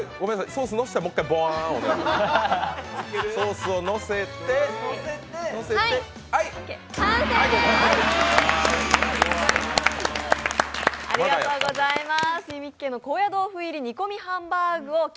ソースのせたらボワーンお願いします。